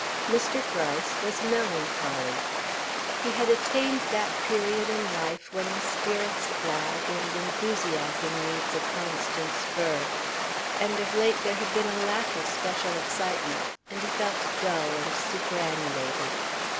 Mr. Gryce was melancholy. He had attained that period in life when the spirits flag and enthusiasm needs a constant spur, and of late there had been a lack of special excitement, and he felt dull and superannuated.